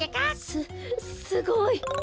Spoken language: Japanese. すすごい！